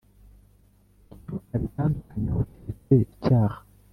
icyo abitandukanyaho keretse icyaha